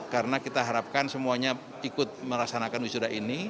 karena kita harapkan semuanya ikut merasakan wisuda ini